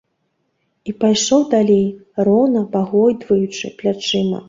І пайшоў далей, роўна пагойдваючы плячыма.